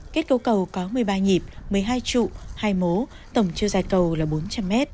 kết cấu cầu có một mươi ba nhịp một mươi hai trụ hai mố tổng chiều dài cầu là bốn trăm linh m